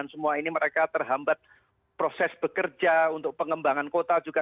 semua ini mereka terhambat proses bekerja untuk pengembangan kota juga